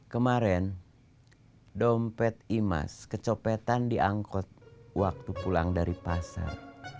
kemarin dompet imas kecopetan diangkut waktu pulang dari pasar